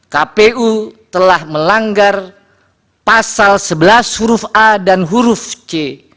kpu telah melanggar pasal sebelas huruf a dan huruf c